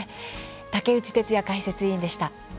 竹内哲哉解説委員でした。